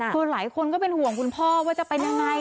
คือหลายคนก็เป็นห่วงคุณพ่อว่าจะเป็นยังไง